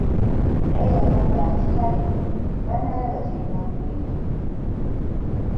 Naye yagamba nti kale, banaalaba gyebinagwera!